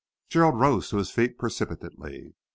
Gerald rose to his feet precipitately.